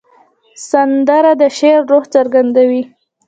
سندره د شاعر روح څرګندوي